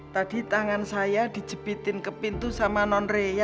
tadi tangan saya dijepitin ke pintu sama non raya